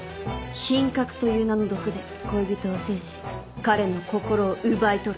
品格という名の毒で恋人を制し彼の心を奪い取る。